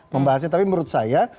membahasnya tapi menurut saya